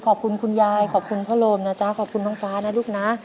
ขอบคุณคุณยายขอบคุณพ่อโรมนะจ๊ะขอบคุณน้องฟ้านะลูกนะ